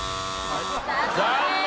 残念。